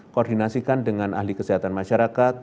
koordinasikan dengan ahli kesehatan masyarakat